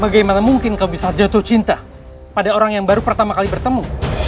bagaimana mungkin kau bisa jatuh cinta pada orang yang baru pertama kali bertemu